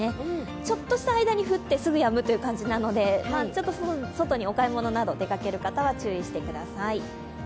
ちょっとした間に降って、すぐやむという感じなので、外にお買い物などに出かける方は注意してください。